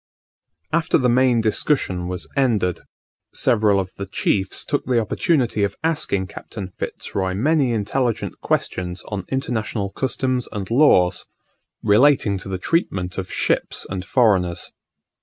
After the main discussion was ended, several of the chiefs took the opportunity of asking Captain Fitz Roy many intelligent questions on international customs and laws, relating to the treatment of ships and foreigners.